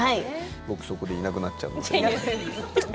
僕そこで、いなくなっちゃいます。